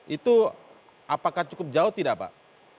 itu apakah cukup jauh tidak pak